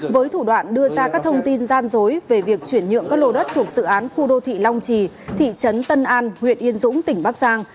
với thủ đoạn đưa ra các thông tin gian dối về việc chuyển nhượng các lô đất thuộc dự án khu đô thị long trì thị trấn tân an huyện yên dũng tỉnh bắc giang